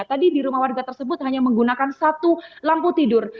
tadi di rumah warga tersebut hanya menggunakan satu lampu tidur